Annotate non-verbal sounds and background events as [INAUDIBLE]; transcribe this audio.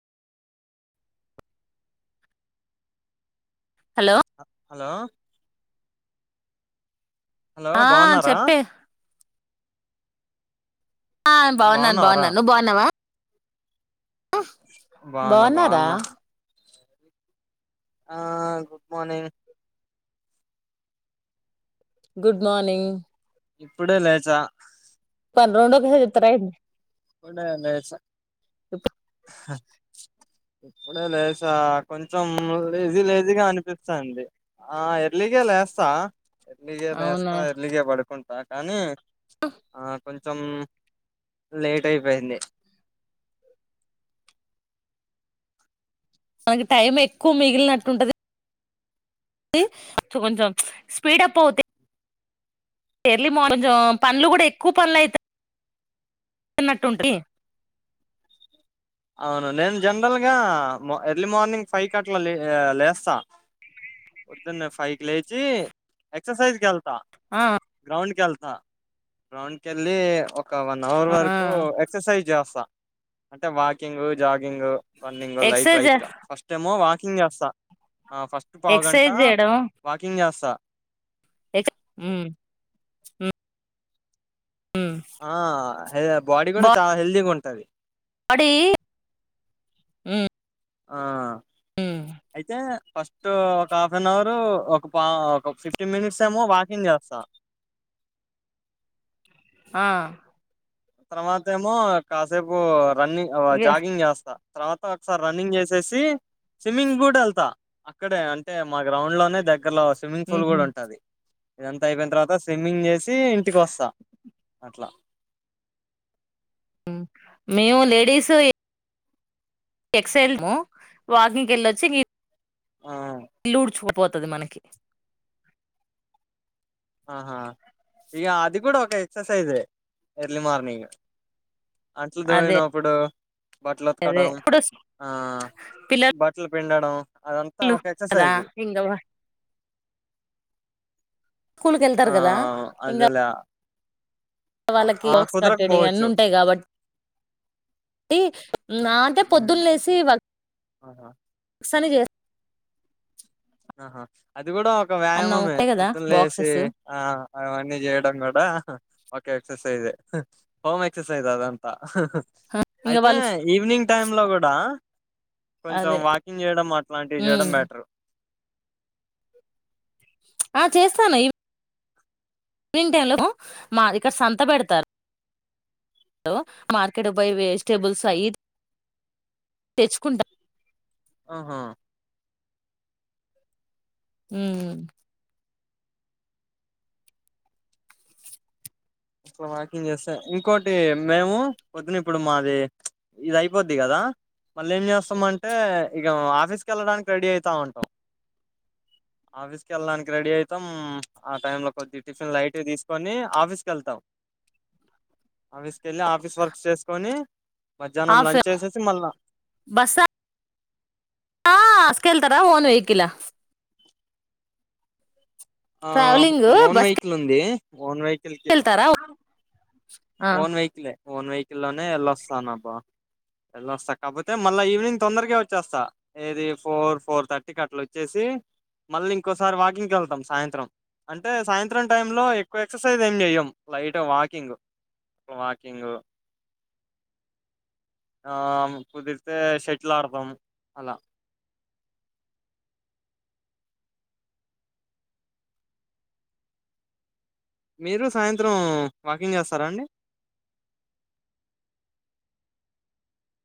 Hello hello hello ఆ బాగున్నారా చెప్పే ఆ బాగున్నాను బాగున్నావారా బాగున్నాను నువ్ బాగున్నావా బాగున్నా బాగున్నారా బాగున్నా ఆ గుడ్ మార్నింగ్ గుడ్ మార్నింగ్ ఇప్పుడే లేచా పన్ రెండు ఒకసార్ చెప్తరే ఏటి ఇపుడే లేస ఇప్పుడే లేసా కొంచెం లేజి లేజిగా అనిపిచ్చాంది ఆ ఎర్లిగ లేస్తా ఎర్లీగే అవునా లేస్తా, ఎర్లీగే పడుకుంటా కానీ ఆ. కొంచెం లేట్ అయిపోయింది [UNINTELLIGIBLE] టైం ఎక్కువ మిగిలినట్టుంటది [INAUDIBLE] కొంచెం స్పీడ్ అప్ అవుతే ఎర్లీ మా [INAUDIBLE] కొంచం పనులు గూడా ఎక్కువ పనులు అయిత. [INAUDIBLE] అవును నేను జనరల్ గా మ ఎర్లీ మార్నింగ్ ఫైవ్ కట్లా లే లేస్తా పొద్దున్నే ఫైక్ లేచీ ఎక్సర్సైజ్ కెళ్ త ఆ గ్రౌండ్ కెళ్తా గ్రౌండ్ కెళ్లీ ఒ ఒక వన్ అవర్ ఆ వరకు ఎక్సర్సైజ్ చేస్తా అంటే వాకింగ్, జాగింగ్. పన్నింగు లైట్ ఎక్సర్సైజ్ లైట్ గా ఫస్ట్ ఏమో వాకింగ్ చేస్తా. ఆ ఫస్ట్ పావుగంట ఎక్సర్సైజ్ వాకింగ్ చేస్తా ఎక్సె [INAUDIBLE] ఊమ్ ఉమ్ ఆ హె బాడీ గూడా చాలా హెల్దీగా ఉంటది అడీ ఊ ఆ అయితే ఫస్ట్ ఒక హాఫ్ అన్ అవరూ, ఒక పా ఒక ఫిఫ్టీన్ మినిట్స్ ఏమో వాకింగ్ చేస్తా. ఆ తర్వాతేమో కాసేపు రన్నింగ్, అవ ఇగ జాగింగ్ చేస్తా. తర్వాత ఒకసారి రన్నింగ్ చేసేసి స్విమ్మింగ్ గూఢ ఎళ్తా అక్కడే అంటే మా గ్రౌండ్ లోనే ద కర్లో స్విమ్మింగ్ ఫూల్ ఉహు గూడా ఉంటది, ఇదంత అయిపోయిన తర్వాత స్విమ్మింగ్ చేసి. తీ ఇంటికొస్తా అట్లా మేము లేడీసు ఇ ఎక్సైల్ మో వాకింగ్క్ ఎళ్ళొచ్చి గి ఆ ఇల్లూడ్చుకు పోతది మనకి ఆహా ఇక అది కూడా ఒక ఎక్స్ సైజే ఎర్లీ మార్నింగ్ అట్లు అదే దోమినప్పుడు బట్టలు అదే వుతకడం ఇప్పుడు ఆ పిల్లలు బట్టలు పిండ [UNINTELLIGIBLE] ఇంగ అయిన ఆ కదా ఇంకా అదాల వాళ్ళకి హౌస్ కట్టేడి అన్ని ఉంటాయి కాబట్టి నా అంటే ఉమ్, పొద్దున్న లేసి వార్క్ ఆహా స్ అని చే ఆహా అది కూడా ఒక వ్యాయామమే ఉంటాయి కదా పొద్దున్న లేసి బాక్సెస్ ఆ అవన్నీ చేయడం కూడా ఓకే ఎక్సర్సైజ్ ఏ హోమ్ ఎక్సర్సైజ్ అదంతా ఇంకా అయితే వాళ్ళు ఈవినింగ్ టైమ్ లో కూడా కొంచెం అదే వాకింగ్ చేయడం అట్లాంటివి చేయడం బెటర్ ఆ చేస్తాను ఇ ఈవ్నింగ్ టైంలో మా ఇక్కడ సంత పెడతారు మార్కెట్ కి పొయి వెజిటేబుల్స్ అయి తెచ్చుకుంటా ఆహా మ్మ్ ఇ వాకింగ్ చేస్తా ఇంకోటి మేము పొద్దున్న ఇప్పుడు మాది ఇది అయిపోద్ది కదా మళ్ళా ఏం చేస్తాము అంటే ఇక ఆఫీస్కి వెళ్ళడానికి రెడీ అయితా ఉంటాం ఆఫీసుకు వెళ్ళడానికి రెడీ అయితాం ఆ టైంలో కొద్దిగా టిఫిన్ లైట్ తీసుకొని ఆఫీస్ కు వెళ్తాం ఆఫీస్ కి వెళ్ళి ఆఫీస్ వర్క్ చేసుకొని ఆ మధ్యాహ్నం లంచ్ సార్ చేసేసి మళ్ళా బస్ ఆ కెళ్తారా ఓన్ వెయికిలా ఆ ట్రావెలింగ్ ఓన్ బస్కి వెహికల్ ఉంది ఓన్ వెహికల్ కి వెళ్తారా ఓన్ వెహికలే ఓన్ వెహికల్ లోనే వెళ్ళొస్తానబ్బా వెళ్ళొస్తా కాకపోతే మళ్ళా ఈవినింగ్ తొందరగే వచ్చేస్తా ఏది ఫోర్ ఫోర్ థర్టీకి అట్లా వచ్చేసి మళ్ళీ ఇంకోసారి వాకింగ్కి వెళ్తాం సాయంత్రం అంటే సాయంత్రం టైం లో ఎక్కువ ఎక్సర్సైజ్ ఏం చెయ్యం లైట్ వాకింగ్ వాకింగ్ ఆ కుదిరితే షట్ల్ ఆడతాం అలా మీరు సాయంత్రం వాకింగ్ చేస్తారా అండి